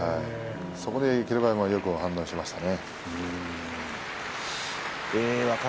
そこで霧馬山はよく判断しましたね。